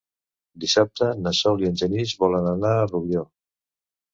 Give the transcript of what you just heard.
Dissabte na Sol i en Genís volen anar a Rubió.